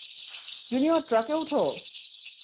Junior ট্রাকে উঠো!